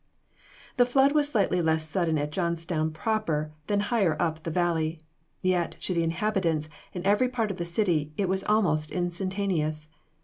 The flood was slightly less sudden at Johnstown proper than higher up the valley. Yet, to the inhabitants, in every part of the city, it was almost instantaneous.